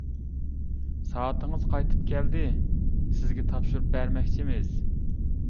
سائىتىڭىز قايتىپ كەلدى، سىزگە تاپشۇرۇپ بەرمەكچىمىز.